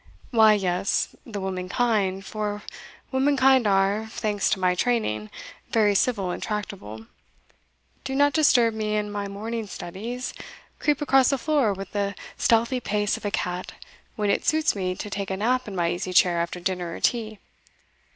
"Why, yes the womankind, for womankind, are, thanks to my training, very civil and tractable do not disturb me in my morning studies creep across the floor with the stealthy pace of a cat, when it suits me to take a nap in my easy chair after dinner or tea.